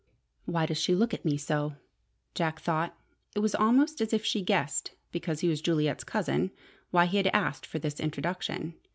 "Why does she look at me so?" Jack thought. It was almost as if she guessed, because he was Juliet's cousin, why he had asked for this introduction.